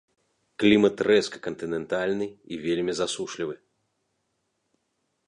Клімат рэзка-кантынентальны і вельмі засушлівы.